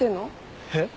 えっ？